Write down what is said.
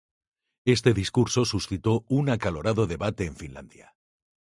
Este discurso suscitó un acalorado debate en Finlandia.